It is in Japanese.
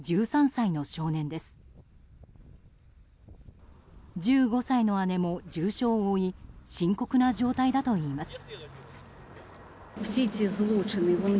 １５歳の姉も重傷を負い深刻な状態だといいます。